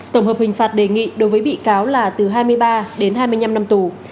tổng hợp hình phạt đề nghị đối với bị cáo là từ hai mươi ba đến hai mươi năm năm tù